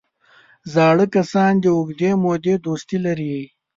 زاړه کسان د اوږدې مودې دوستي لري